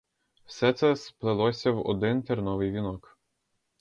Все це сплелося в один терновий вінок.